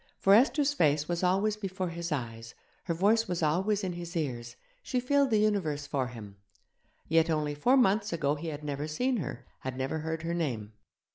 For Esther's face was always before his eyes, her voice was always in his ears, she filled the universe for him; yet only four months ago he had never seen her, had never heard her name.